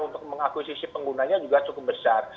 untuk mengakui sisi penggunanya juga cukup besar